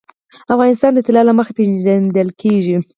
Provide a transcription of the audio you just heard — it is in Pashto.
افغانستان د طلا له مخې پېژندل کېږي.